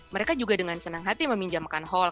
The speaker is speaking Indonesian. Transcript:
mereka juga dengan senang hati meminjamkan hall